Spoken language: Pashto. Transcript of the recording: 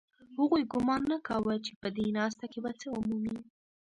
هغوی ګومان نه کاوه چې په دې ناسته کې به څه ومومي